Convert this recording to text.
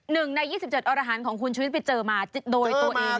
หนึ่งใน๒๗อรหารของคุณชุวิตไปเจอมาโดยตัวเอง